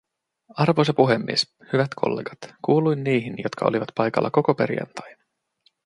Arvoisa puhemies, hyvät kollegat, kuuluin niihin, jotka olivat paikalla koko perjantain.